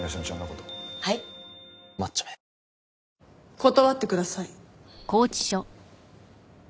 断ってください。